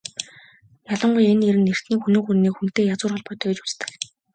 Ялангуяа энэ нэр нь эртний Хүннү гүрний "Хүн"-тэй язгуур холбоотой гэж үздэг.